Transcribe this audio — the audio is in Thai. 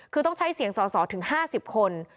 คือต้องใช้เสียงสอสอถึง๕๐คน